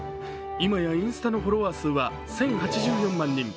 今やインスタのフォロワー数は１０８４万人。